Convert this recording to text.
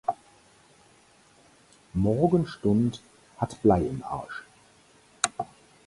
Morgenstund hat Blei im Arsch.